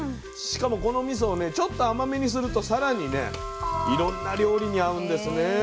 しかもこのみそをちょっと甘めにするとさらにねいろんな料理に合うんですね。